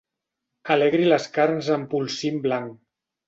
Alegri les carns amb polsim blanc.